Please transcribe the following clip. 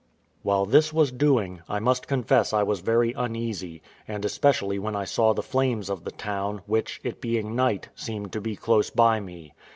While this was doing, I must confess I was very uneasy, and especially when I saw the flames of the town, which, it being night, seemed to be close by me.